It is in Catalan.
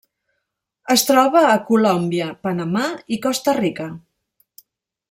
Es troba a Colòmbia, Panamà i Costa Rica.